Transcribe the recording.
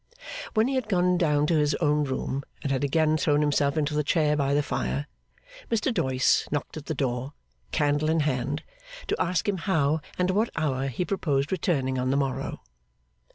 When he had gone to his own room, and had again thrown himself into the chair by the fire, Mr Doyce knocked at the door, candle in hand, to ask him how and at what hour he proposed returning on the morrow?